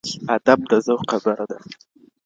ادب د ذوق خبره ده.